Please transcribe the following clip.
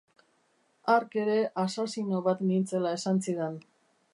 Hark ere asasino bat nintzela esan zidan.